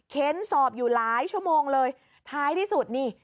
เค้นสอบอยู่หลายชั่วโมงเลยท้ายที่สุดนี่